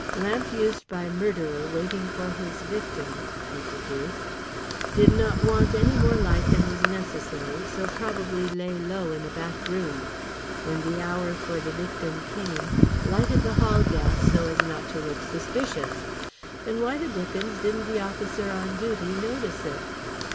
"Lamp used by murderer waiting for his victim," he deduced. "Did not want any more light than was necessary, so probably lay low in a back room. When the hour for the victim came, lighted the hall gas so as not to look suspicious. Then why the dickens didn't the officer on duty notice it?"